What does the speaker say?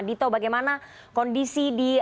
dito bagaimana kondisi di